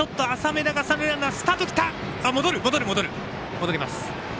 戻ります。